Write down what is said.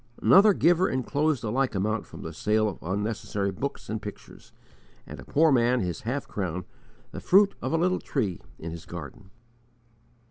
Another giver enclosed a like amount from the sale of unnecessary books and pictures; and a poor man his half crown, "the fruit of a little tree in his garden."